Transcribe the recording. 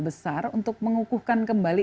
besar untuk mengukuhkan kembali